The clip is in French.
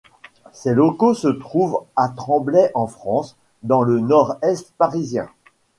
Ses locaux se trouvent à Tremblay-en-France, dans le Nord-est parisien.